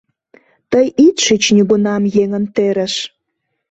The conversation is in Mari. Тый ит шич нигунам еҥын терыш!»